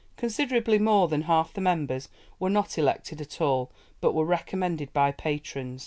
Considerably more than half the members were not elected at all, but were recommended by patrons.